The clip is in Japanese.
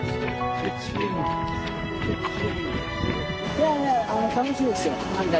いやいや、楽しいですよ、案外。